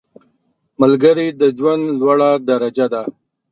ملګری د ژوند لوړه درجه ده